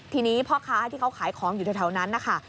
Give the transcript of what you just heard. ทีนี้พ่อค้าที่เขาขายของอยู่แถวนั้นนะคะ